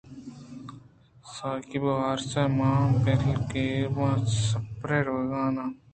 ساکب ءُ ھارس ماں بالیگراب ءَ سپرے ءَ روگ ءَ اَنت